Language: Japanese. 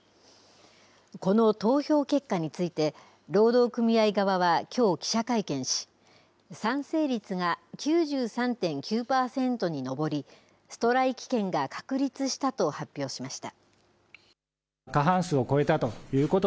この投票結果について、労働組合側はきょう記者会見し、賛成率が９３．９％に上り、ストライキ権が確立したと発表しました。